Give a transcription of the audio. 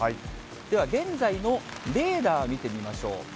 では現在のレーダー見てみましょう。